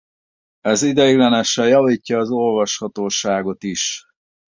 Ez ideiglenesen javítja az olvashatóságot is.